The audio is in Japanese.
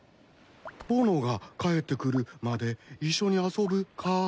ぼのが帰ってくるまで一緒に遊ぶかい？